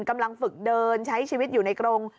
กำลังฝึกเดินใช้ชีวิตอยู่ในกรง